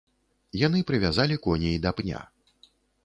Яны прывязалі коней да пня.